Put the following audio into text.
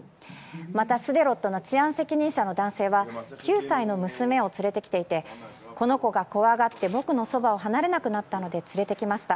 また、スデロットの治安責任者の男性は９歳の娘を連れてきていてこの子が怖がって僕のそばを離れなくなったので連れてきました。